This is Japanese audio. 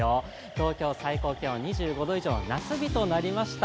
東京、最高気温、２５度以上、夏日となりました。